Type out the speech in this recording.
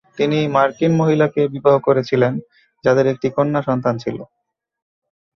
তিনি মার্কিন মহিলাকে বিবাহ করেছিলেন যাদের একটি কন্যা সন্তান ছিল।